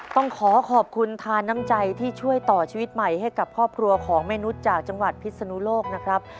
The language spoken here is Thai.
ต้องขอขอบคุณทานน้ำใจที่ช่วยต่อชีวิตใหม่ให้กับครอบครัวของแม่นุษย์จากจังหวัดพิศนุโลกนะครับ